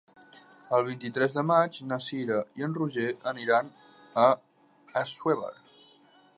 El vint-i-tres de maig na Cira i en Roger aniran a Assuévar.